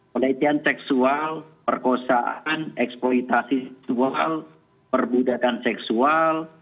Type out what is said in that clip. pelecehan seksual perkosaan eksploitasi seksual perbudakan seksual